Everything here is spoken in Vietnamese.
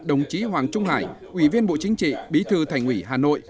đồng chí hoàng trung hải ủy viên bộ chính trị bí thư thành ủy hà nội